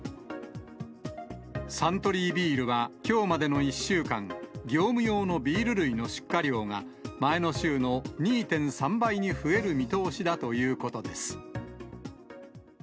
サントリービールはきょうまでの１週間、業務用のビール類の出荷量が、前の週の２．３倍に増える見通しだということです。